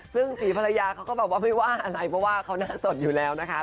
ซึ่งศรีภรรยาเขาก็แบบว่าไม่ว่าอะไรเพราะว่าเขาหน้าสดอยู่แล้วนะคะ